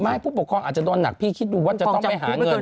ผู้ปกครองอาจจะโดนหนักพี่คิดดูว่าจะต้องไปหาเงิน